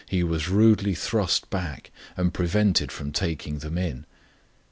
57 was rudely thrust back and prevented from taking them in.